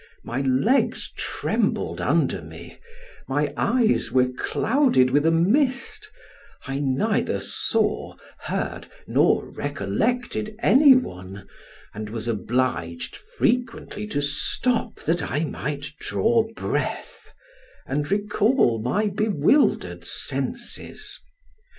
my legs trembled under me, my eyes were clouded with a mist, I neither saw, heard, nor recollected any one, and was obliged frequently to stop that I might draw breath, and recall my bewildered senses.